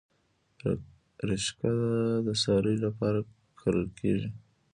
رشقه د څارویو لپاره کرل کیږي